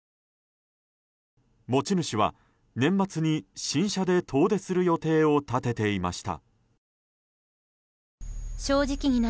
持ち主は、年末に新車で遠出する予定を立てていました。